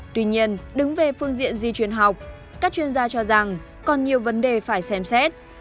tuy nhiên đứng về phương diện di truyền học các chuyên gia cho rằng còn nhiều vấn đề phải xem xét